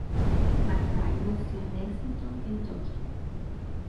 McBride nació en Lexington, Kentucky.